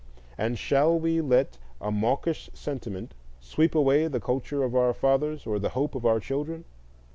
and shall we let a mawkish sentiment sweep away the culture of our fathers or the hope of our children?